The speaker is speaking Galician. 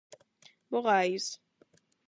Vogais.